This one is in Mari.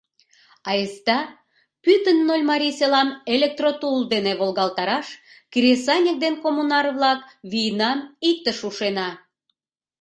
Айста пӱтынь Нольмарий селам электротул дене волгалтараш, кресаньык ден коммунар-влак, вийнам иктыш ушена.